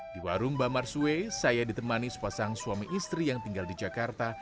di warung bamar sue saya ditemani sepasang suami istri yang tinggal di jakarta